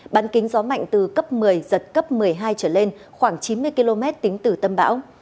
bán kính gió mạnh từ cấp một mươi giật cấp một mươi hai trở lên khoảng chín mươi km tính từ tâm bão